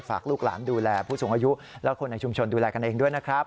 ลูกหลานดูแลผู้สูงอายุและคนในชุมชนดูแลกันเองด้วยนะครับ